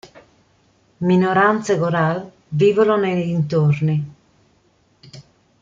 Minoranze goral vivono nei dintorni.